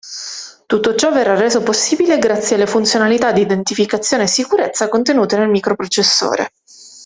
Tutto ciò verrà reso possibile grazie alle funzionalità di identificazione e sicurezza contenute nel microprocessore.